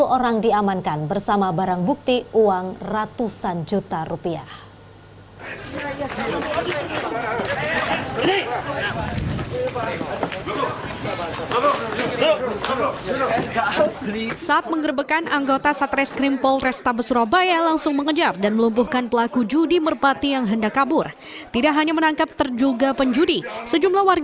empat puluh orang diamankan bersama barang bukti uang ratusan juta rupiah